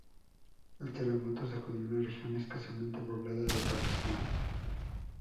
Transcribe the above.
El terremoto sacudió una región escasamente poblada de Pakistán.